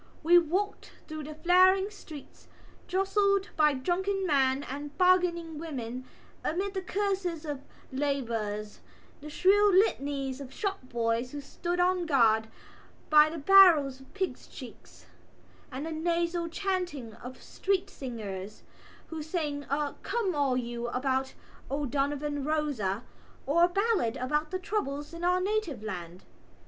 We walked through the flaring streets, jostled by drunken men and bargaining women, amid the curses of labourers, the shrill litanies of shop boys who stood on guard by the barrels of pigs' cheeks, the nasal chanting of street singers, who sang a come all you about O'Donovan Rossa, or a ballad about the troubles in our native land.